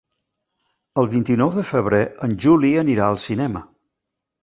El vint-i-nou de febrer en Juli anirà al cinema.